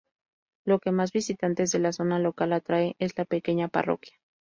Lo que más visitantes de la zona local atrae es la pequeña parroquia.